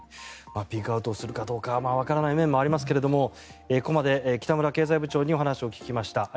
ピークアウトするかどうかわからない面もありますがここまで北村経済部長にお話を聞きました。